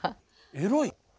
エロい？